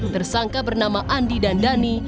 tersangka bernama andi dan dhani